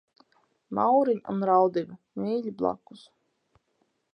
Mauriņa un Raudive – mīļi blakus.